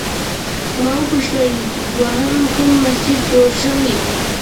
ما وپوښتل دوهم کوم مسجد جوړ شوی؟